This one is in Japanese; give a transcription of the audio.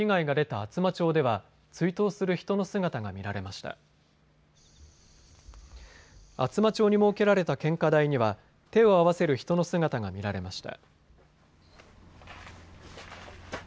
厚真町に設けられた献花台には手を合わせる人の姿が見られました。